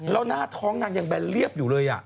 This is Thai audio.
แล้วหน้าท้องนางยังแนนเรียบอยู่เลย